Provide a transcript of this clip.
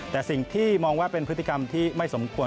แต่สิ่งที่มองว่าเป็นพฤติกรรมที่ไม่สมควร